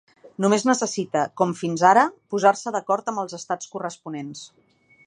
Només necessita, com fins ara, posar-se d’acord amb els estats corresponents.